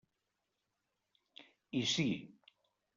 I sí.